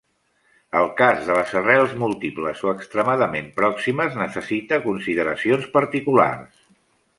El cas de les arrels múltiples, o extremadament pròximes, necessita consideracions particulars.